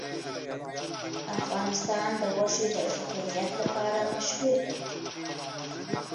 افغانستان د غوښې د ښه کیفیت لپاره مشهور دی.